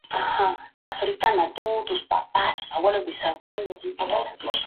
Sin embargo, el procedimiento más frecuente era la eliminación por envenenamiento.